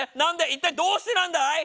一体どうしてなんだい⁉